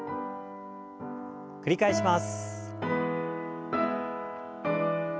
繰り返します。